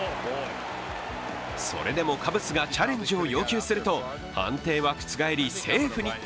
それでもカブスがチャレンジを要求すると判定は覆り、セーフに。